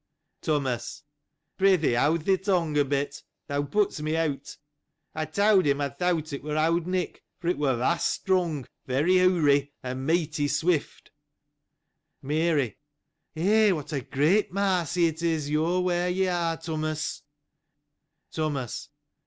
Thomas. — Pr'y thee, hold thy tongue, awhile ; thou puts me out. I told him I thought it was old Nick : for it was vast strong ; very hairy ; and mighty swift. Mary. — Eh ! what a great mercy it is you are where you are, Thomas. Thomas.